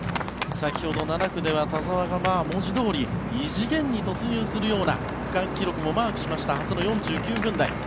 先ほど７区では田澤が文字どおり異次元に突入するような区間記録もマークしましたその４９分台。